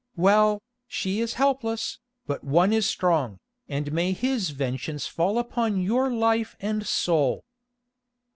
Well, she is helpless, but One is strong, and may His vengeance fall upon your life and soul."